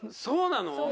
そうなの？